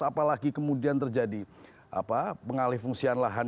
apalagi kemudian terjadi pengalih fungsian lahan